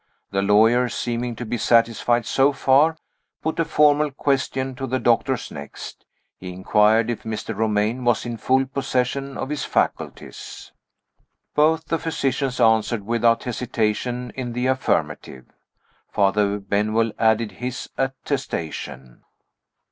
The lawyer, seeming to be satisfied so far, put a formal question to the doctors next. He inquired if Mr. Romayne was in full possession of his faculties. Both the physicians answered without hesitation in the affirmative. Father Benwell added his attestation.